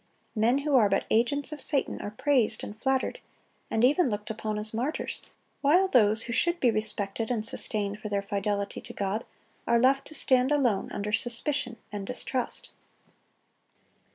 Men who are but agents of Satan are praised and flattered, and even looked upon as martyrs, while those who should be respected and sustained for their fidelity to God, are left to stand alone, under suspicion and distrust.